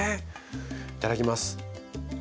いただきます。